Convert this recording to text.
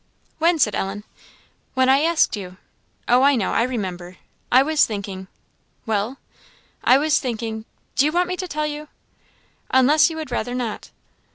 "When?" said Ellen. "When I asked you " "Oh, I know I remember. I was thinking " "Well?" "I was thinking do you want me to tell you?" "Unless you would rather not."